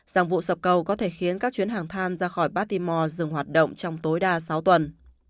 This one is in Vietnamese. rằng vụ sập cầu có thể khiến các chuyến hàng tham ra khỏi baltimore dừng hoạt động trong tối đa sáu tuần